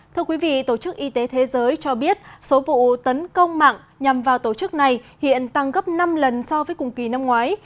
thưa quý vị tổ chức y tế thế giới cho biết số vụ tấn công mạng nhằm vào tổ chức này hiện tăng gấp năm lần so với cùng kỳ năm ngoái